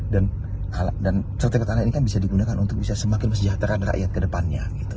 dan sertifikat tanah ini kan bisa digunakan untuk bisa semakin mesejahteran rakyat kedepannya